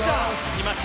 来ました。